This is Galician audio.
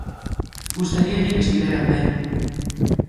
Gustaríalle que estiveran ben.